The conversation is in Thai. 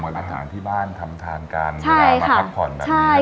อาหารที่บ้านทำทานกันเวลามาพักผ่อนแบบนี้